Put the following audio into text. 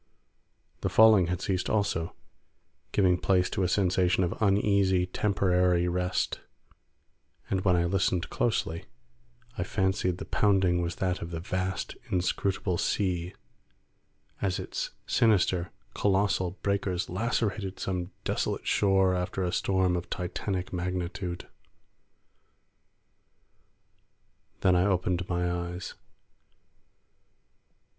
The falling had ceased also, giving place to a sensation of uneasy, temporary rest; and when I listened closely, I fancied the pounding was that of the vast, inscrutable sea as its sinister, colossal breakers lacerated some desolate shore after a storm of titanic magnitude. Then I opened my eyes.